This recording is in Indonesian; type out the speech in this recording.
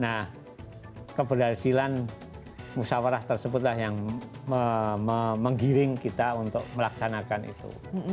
nah keberhasilan musyawarah tersebutlah yang menggiring kita untuk melaksanakan itu